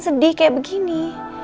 sedih kayak begini